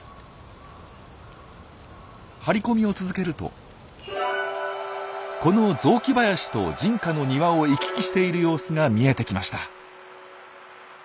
張り込みを続けるとこの雑木林と人家の庭を行き来している様子が見えてきました。